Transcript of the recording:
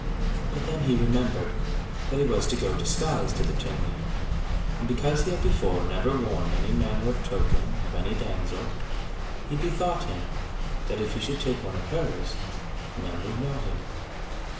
But then he remembered that he was to go disguised to the tourney, and because he had before never worn any manner of token of any damsel, he bethought him that, if he should take one of hers, none would know him.